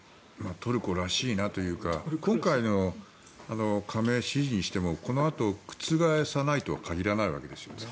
トルコらしいなというか今回の加盟支持にしてもこのあと覆さないとは限らないわけですよね。